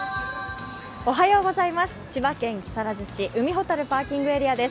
千葉県木更津市、海ほたるパーキングエリアです。